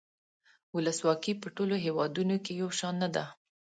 ولسواکي په ټولو هیوادونو کې یو شان نده.